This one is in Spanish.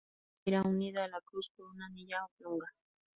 La cinta irá unida a la cruz por una anilla oblonga.